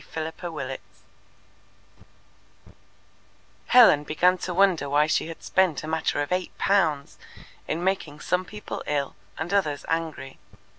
Chapter 27 Helen began to wonder why she had spent a matter of eight pounds in making some people ill and others angry.